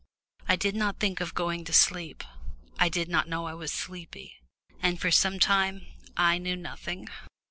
I did not think of going to sleep. I did not know I was sleepy. And for some time I knew nothing.